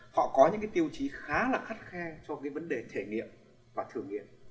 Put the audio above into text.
họ có những cái tiêu chí khá là khắt khe cho cái vấn đề thể nghiệm và thử nghiệm